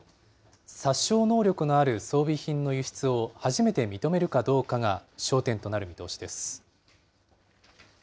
殺傷能力のある装備品の輸出を初めて認めるかどうかが焦点となる見通しです。